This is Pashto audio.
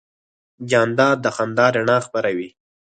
جانداد د خندا رڼا خپروي.